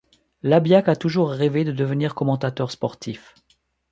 Labiak a toujours rêvé de devenir commentateur sportif.